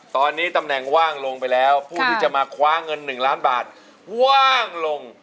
ตอนนี้ตำแหน่งว่างลงไปแล้วผู้ที่จะมาคว้าเงิน๑ล้านบาทว่างลง